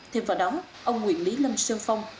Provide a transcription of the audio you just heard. thêm vào đó ông nguyễn lý lâm sơn phong